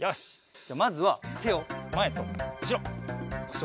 じゃまずはてをまえとうしろ！